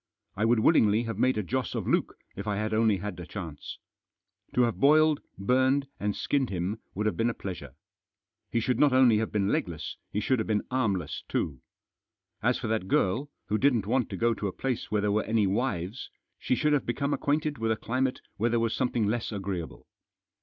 I would willingly have made a Joss of Luke if I had only had a chance. To have boiled, burned, and skinned him would have been a pleasure. He should not only have been legless, he should have been armless too. As for that girl, who didn't want to go to a place where there were any wives, she should have become acquainted with a climate where there was something less agreeable.